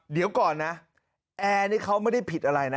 เดี๋ยวก่อนนะแอร์นี่เขาไม่ได้ผิดอะไรนะ